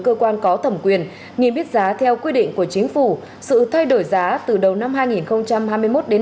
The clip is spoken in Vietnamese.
cơ quan có thẩm quyền niêm yết giá theo quy định của chính phủ sự thay đổi giá từ đầu năm hai nghìn hai mươi một đến